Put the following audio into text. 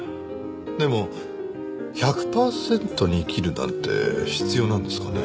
でも１００パーセントに生きるなんて必要なんですかね？